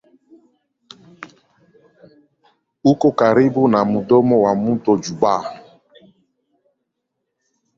Uko karibu na mdomo wa mto Juba.